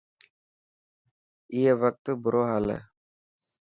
اي وقت برو هال هي.